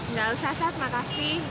nggak usah sat makasih